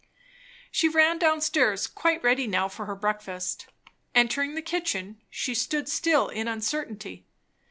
She ran down stairs, quite ready now for her breakfast. Entering the kitchen, she stood still in uncertainty.